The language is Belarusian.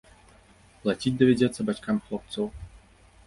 Плаціць давядзецца бацькам хлопцаў.